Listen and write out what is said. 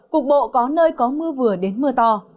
cục bộ có nơi có mưa vừa đến mưa to